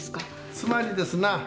つまりですな